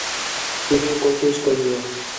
چھیریں کوشش کَئی ہِے